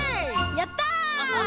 やった！